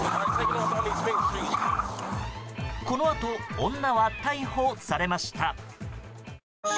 このあと、女は逮捕されました。